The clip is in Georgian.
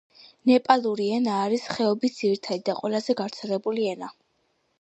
ნეპალური ენა არის ხეობის ძირითადი და ყველაზე გავრცელებული ენა.